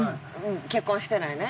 結婚してないね。